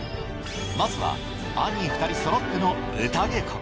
まずはアニー２人そろっての歌稽古